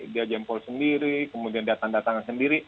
dia jempol sendiri kemudian dia tanda tangan sendiri